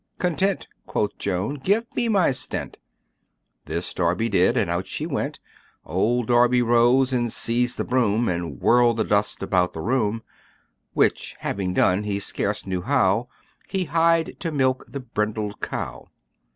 "Content," quoth Joan, "give me my stint." This Darby did, and out she went. Old Darby rose and seized the broom, And whirled the dirt about the room: Which having done, he scarce knew how, He hied to milk the brindled cow.